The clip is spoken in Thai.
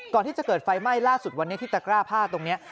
ก่อนที่จะเกิดไฟไหม้ล่าสุดวันนี้ที่ตะกร้าผ้าตรงนี้